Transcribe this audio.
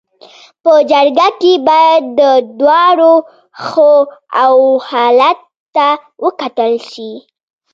په جرګه کي باید د دواړو خواو حالت ته وکتل سي.